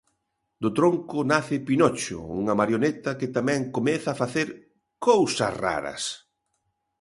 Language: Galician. Do tronco nace Pinocho, unha marioneta que tamén comeza a facer "cousas raras".